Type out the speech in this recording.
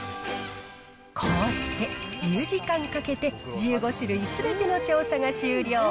こうして、１０時間かけて１５種類すべての調査が終了。